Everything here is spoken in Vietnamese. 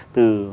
từ hương văn